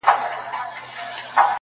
او د قبرونو پر کږو جنډيو.!